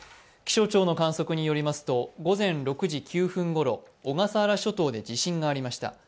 気象庁の観測によりますと、午前６時９分ごろ小笠原諸島で地震がありました。